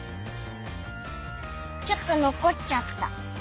ちょっとのこっちゃった。